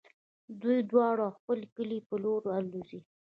دوی دواړه د خپل کلي په لور الوزي.